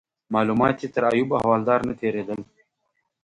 معلومات یې تر ایوب احوالدار نه تیرېدل.